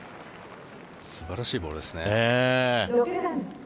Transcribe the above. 素晴らしいボールですね。